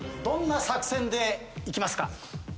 どんな作戦でいきますか？